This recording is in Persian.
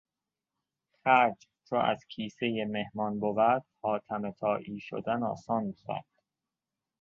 خرج چو از کیسهٔ مهمان بود حاتم طائی شدن آسان بود.